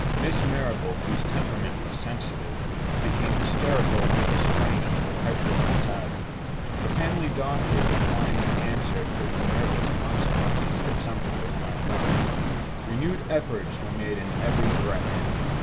Miss Marrable, whose temperament was sensitive, became hysterical under the strain of perpetual anxiety; the family doctor declined to answer for the nervous consequences if something was not done. Renewed efforts were made in every direction.